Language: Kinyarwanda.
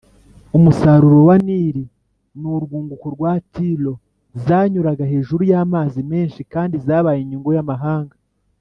umusaruro wa Nili n urwunguko rwa Tiro zanyuraga hejuru y amazi menshi kandi zabaye inyungu y amahanga